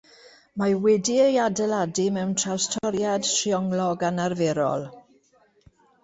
Mae wedi'i adeiladu mewn trawstoriad trionglog anarferol.